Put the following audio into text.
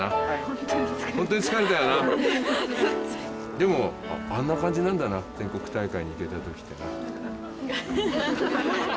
でもあんな感じなんだな全国大会に行けた時ってな。